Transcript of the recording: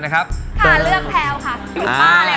ค่ะเลือกแพรวค่ะ